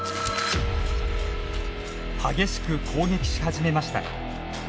激しく攻撃し始めました。